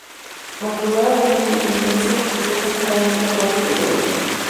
Al cruzar Avenida Independencia, ingresa enteramente al barrio de Boedo.